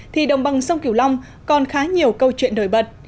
thì đồng băng sông kiểu long còn khá nhiều câu chuyện nổi bật